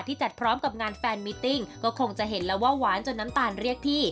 จัดพร้อมกับงานแฟนมิติ้งก็คงจะเห็นแล้วว่าหวานจนน้ำตาลเรียกพี่